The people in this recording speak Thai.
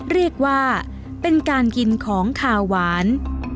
เรียกว่าเป็นการกินของขาวหวาน